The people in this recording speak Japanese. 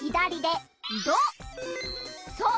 そう。